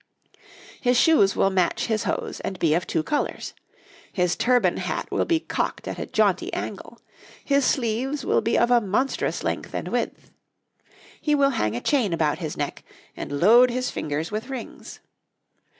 His shoes will match his hose, and be of two colours; his turban hat will be cocked at a jaunty angle; his sleeves will be of a monstrous length and width. He will hang a chain about his neck, and load his fingers with rings.